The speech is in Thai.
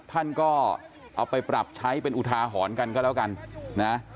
ท่านก็เอาไปปรับใช้เป็นอุทาหรณ์กันก็แล้วกันนะ